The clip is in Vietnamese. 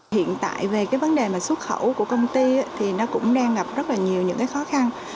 hiện tại về vấn đề xuất khẩu của công ty thì nó cũng đang gặp rất nhiều những khó khăn